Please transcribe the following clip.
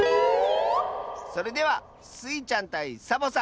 それではスイちゃんたいサボさん